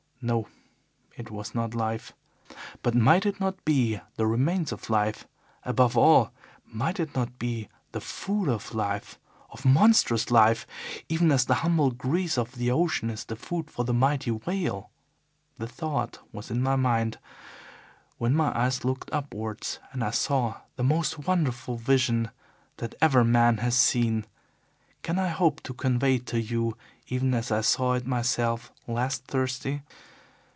No, it was not life. But might it not be the remains of life? Above all, might it not be the food of life, of monstrous life, even as the humble grease of the ocean is the food for the mighty whale? The thought was in my mind when my eyes looked upwards and I saw the most wonderful vision that ever man has seen. Can I hope to convey it to you even as I saw it myself last Thursday?